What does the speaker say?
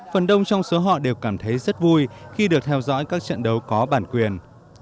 phần đông trong số họ đều cảm thấy rất vui khi được theo dõi các trận đấu có bản quyền